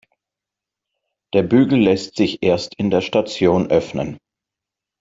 Der Bügel lässt sich erst in der Station öffnen.